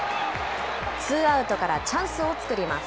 ツーアウトからチャンスを作ります。